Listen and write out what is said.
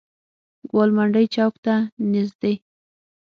ګوالمنډۍ چوک ته نزدې.